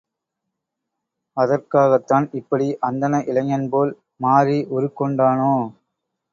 அதற்காகத்தான் இப்படி அந்தண இளைஞன்போல் மாறி உருக்கொண்டானோ?